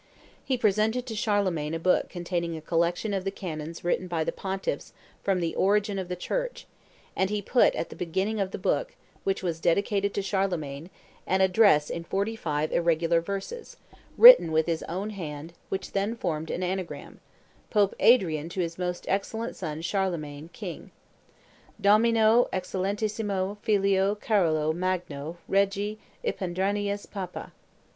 He presented to Charlemagne a book containing a collection of the canons written by the pontiffs from the origin of the Church, and he put at the beginning of the book, which was dedicated to Charlemagne, an address in forty five irregular verses, written with his own hand, which formed an anagram: "Pope Adrian to his most excellent son Charlemagne, king." (Domino excellentissimo filio Carolo Magno regi Ipadrianus papa).